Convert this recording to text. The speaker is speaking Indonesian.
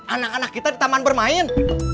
anak anak kita di taman bermain